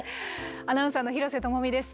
アナウンサーの廣瀬智美です。